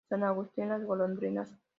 San Agustín, Las Golondrinas.